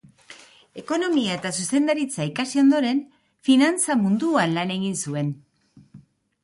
Ekonomia eta zuzendaritza ikasi ondoren, finantza munduan lan egin zuen.